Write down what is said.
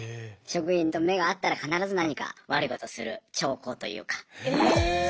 職員と目が合ったら必ず何か悪いことする兆候というか。